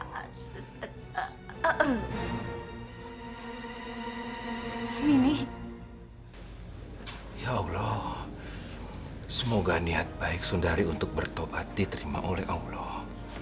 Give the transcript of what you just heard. hai asyik ahem ini ya allah semoga niat baik sundari untuk bertobat diterima oleh allah